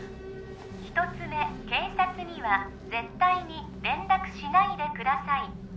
一つ目警察には絶対に連絡しないでください